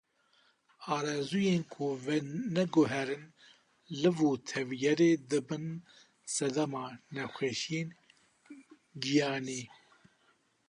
Arezûyên ku veneguherin liv û tevgerê, dibin sedema nexweşiyên giyanî.